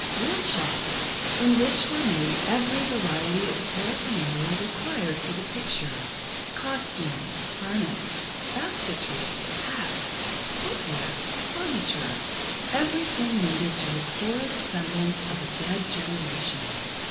real shops, in which were made every variety of paraphernalia required for the picture: costumes, harness, basketry, hats, footwear, furniture—everything needed to restore the semblance of a dead generation.